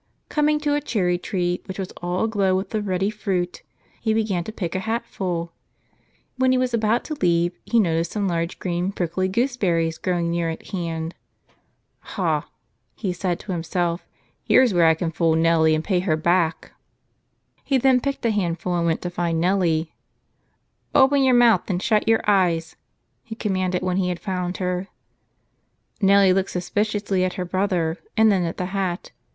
Coming to a cherry tree which was all aglow with the ruddy fruit, he began to pick a hatful; when he was about to leave, he noticed some large, green, prickly gooseberries growing near at hand. "Ha !" he 42 And Nellie \ V as Sorry said to himself, "here's where I can fool Nellie and pay her back." He then picked a handful and went to find Nellie. "Open your mouth and shut your eyes," he com¬ manded, when he had found her. Nellie looked sus¬ piciously at her brother and then at the hat.